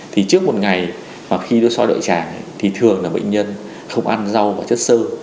thì trước một ngày mà khi nó soi đại tràng thì thường là bệnh nhân không ăn rau và chất sơ